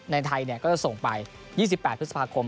ในไทยก็จะส่งไป๒๘พฤษภาคม